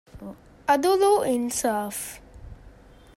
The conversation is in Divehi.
ޢަދުލު އިންޞާފު